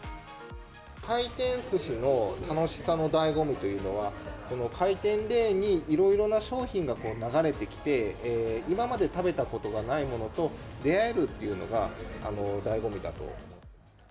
回転ずしの楽しさのだいご味というのは、この回転レーンにいろいろな商品が流れてきて、今まで食べたことがないものと出会えるっていうのが、だいご味だ